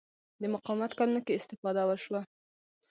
د مقاومت کلونو کې استفاده وشوه